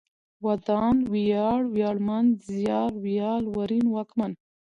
ودان ، وياړ ، وياړمن ، زيار، ويال ، ورين ، واکمن